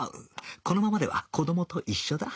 このままでは子どもと一緒だ